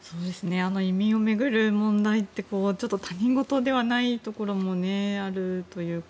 移民を巡る問題ってちょっと他人事ではないところもあるというか。